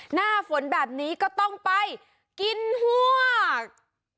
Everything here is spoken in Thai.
หน้าฝนแบบนี้ก็ต้องไปกินฮวก